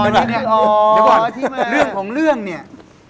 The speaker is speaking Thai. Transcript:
อ๋อนี่เนี่ยเรื่องของเรื่องเนี่ย